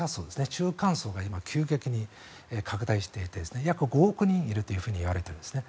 中間層が今、急激に拡大していて約５億人いるといわれているんですね。